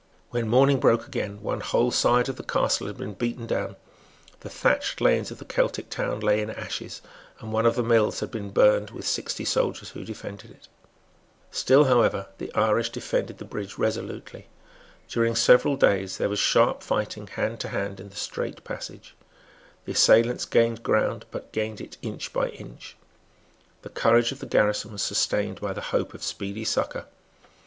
When morning broke again, one whole side of the castle had been beaten down; the thatched lanes of the Celtic town lay in ashes; and one of the mills had been burned with sixty soldiers who defended it. Still however the Irish defended the bridge resolutely. During several days there was sharp fighting hand to hand in the strait passage. The assailants gained ground, but gained it inch by inch. The courage of the garrison was sustained by the hope of speedy succour.